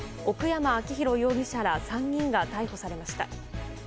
奥山明宏容疑者ら３人が逮捕されました。